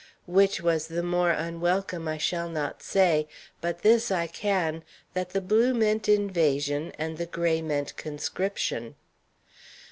Which was the more unwelcome I shall not say, but this I can, that the blue meant invasion and the gray meant conscription.